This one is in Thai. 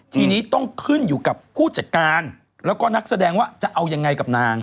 ทีนี้ต้องขึ้นอยู่กับผู้จัดการแล้วก็นักแสดงว่าจะเอายังไงกับนาง